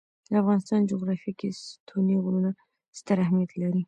د افغانستان جغرافیه کې ستوني غرونه ستر اهمیت لري.